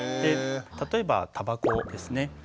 例えばたばこですね。